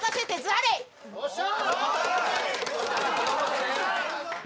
・よっしゃ！